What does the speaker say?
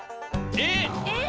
えっ！